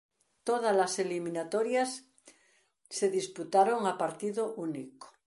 Tódalas eliminatorias se disputaron a partido único.